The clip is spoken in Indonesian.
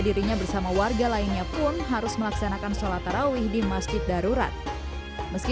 dirinya bersama warga lainnya pun harus melaksanakan sholat tarawih di masjid darurat meski